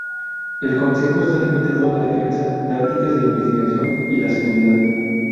El Consejo está limitado a la defensa, tácticas de investigación y la seguridad.